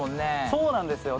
そうなんですよ。